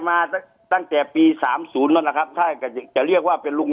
มาตั้งแต่ปีสามศูนย์แล้วนะครับถ้าจะเรียกว่าเป็นลุง